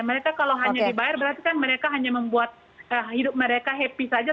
mereka kalau hanya dibayar berarti kan mereka hanya membuat hidup mereka happy saja